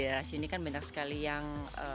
daerah sini kan banyak sekali yang